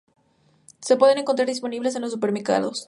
Se puede encontrar disponible en los supermercados.